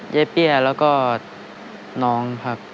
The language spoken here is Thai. เปี้ยแล้วก็น้องครับ